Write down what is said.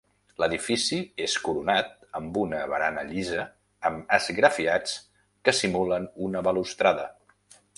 L'edifici és coronat amb una barana llisa amb esgrafiats que simulen una balustrada.